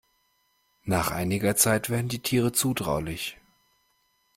Nach einiger Zeit werden die Tiere zutraulich.